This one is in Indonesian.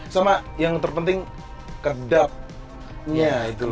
sama yang terpenting kedap nya itu loh